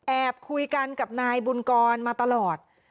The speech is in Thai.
คุยกันกับนายบุญกรมาตลอด